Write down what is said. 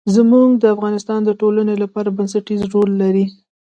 زمرد د افغانستان د ټولنې لپاره بنسټيز رول لري.